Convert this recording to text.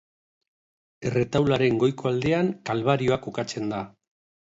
Erretaularen goiko aldean Kalbarioa kokatzen da.